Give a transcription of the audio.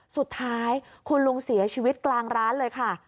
สุดท้ายคุณลุงเสียชีวิตกลางร้านเลยค่ะ